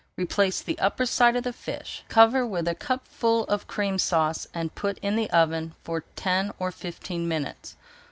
Replace the upper side of the fish, cover with a cupful of Cream Sauce and put in the oven for ten or fifteen minutes.